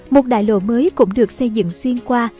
một đại lộ mới cũng được xây dựng xuyên qua